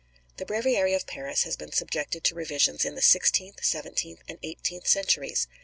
The Breviary of Paris has been subjected to revisions in the sixteenth, seventeenth, and eighteenth centuries.